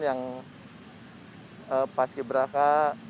yang paski beraka